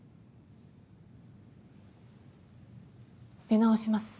出直します。